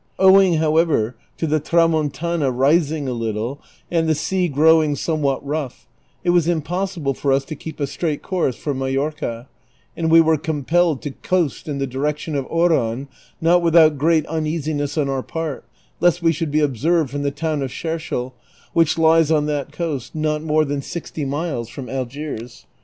Owing, however, to the Tramontana ' rising a little, and the sea growing somewhat rough, it was impossible for us to keep a straight coui'se for JNIajorca, and we were compelled to coast in the direction of Oran, not without great uneasiness on our part lest we should be observed from the town of Shershel, which lies on that coast, not more than sixty miles from Algiers.